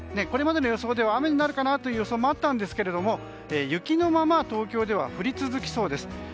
これまでの予想では雨になる予想もあったんですけど雪のまま東京では降り続きそうです。